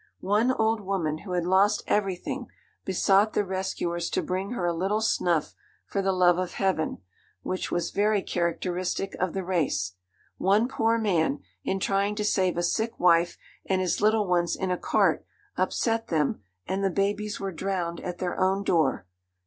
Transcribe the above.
One old woman who had lost everything besought the rescuers to bring her a little snuff for the love of heaven; which was very characteristic of the race. One poor man, in trying to save a sick wife and his little ones in a cart, upset them, and the babies were drowned at their own door.